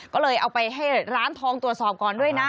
ก็เลยเอาไปให้ร้านทองตรวจสอบก่อนด้วยนะ